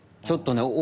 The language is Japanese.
ちょっとね